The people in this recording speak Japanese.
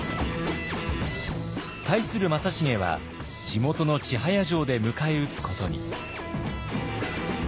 対する正成は地元の千早城で迎え撃つことに。